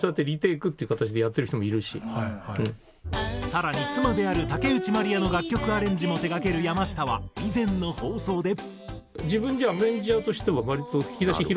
更に妻である竹内まりやの楽曲アレンジも手がける山下は以前の放送で。